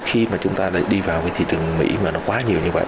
khi mà chúng ta đi vào thị trường mỹ mà nó quá nhiều như vậy